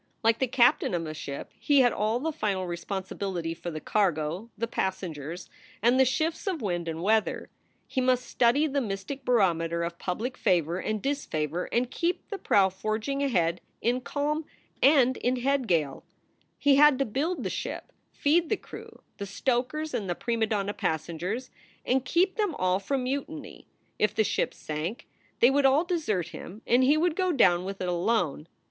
Like the captain of a ship, he had all the final responsibility for the cargo, the passengers, and the shifts of wind and weather, lie must study the mystic barometer cf public favor and disfavor and keep the prow forging ahead in calm and in head gale. He had to build the ship, feed the crew, the stokers, and the prima donna passengers, and keep them all from mutiny. If the ship sank, they would all desert him and he would go down with it alone.